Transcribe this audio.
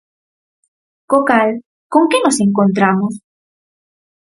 Co cal, ¿con que nos encontramos?